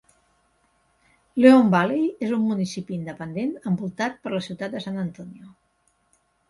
Leon Valley és un municipi independent envoltat per la ciutat de San Antonio.